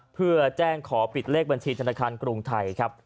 เพื่อแจ้งขอปิดเลขบัญชีธนาคารกรุงไทยครับ